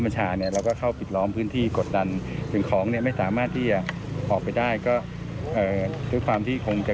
จากการสอบสวน